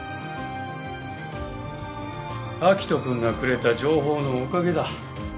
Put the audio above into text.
明人君がくれた情報のおかげだ。